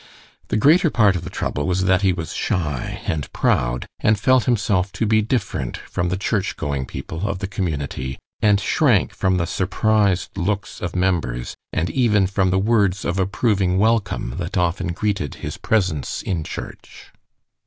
The greater part of the trouble was that he was shy and proud, and felt himself to be different from the church going people of the community, and shrank from the surprised looks of members, and even from the words of approving welcome that often greeted his presence in church.